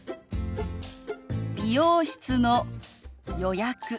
美容室の予約